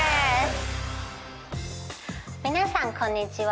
皆さんこんにちは。